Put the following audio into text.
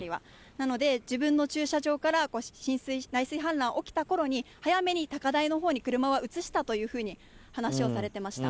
なので、自分の駐車場から内水氾濫起きたころに早めに高台のほうに車は移したというふうに話をされていました。